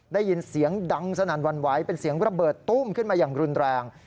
ได้ยินเสียงดังสนั่นหวั่นไหวเป็นเสียงระเบิดตุ้มขึ้นมาอย่างรุนแรง